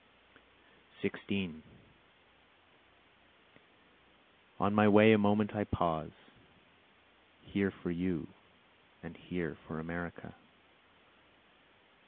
16 On my way a moment I pause, Here for you! and here for America!